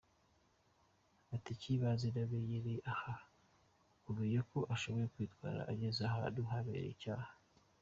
Ati“ Icy’ibanze namenyeye aha ni ukumenya uko ushobora kwitwara ugeze ahantu habereye icyaha.